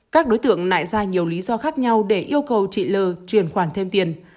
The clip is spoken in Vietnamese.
các đối tượng nại ra nhiều lý do khác nhau để yêu cầu chị lờ chuyển khoản thêm tiền